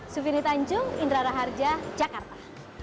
sufini tanjung indra raharja jakarta